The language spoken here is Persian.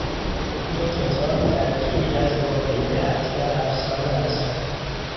این کتاب ترکیبی از واقعیت و افسانه است.